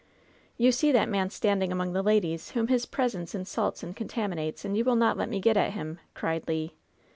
"You see that man standing among the ladies, whom his presence insults and contaminates, and you will not let me get at him I" cried Le.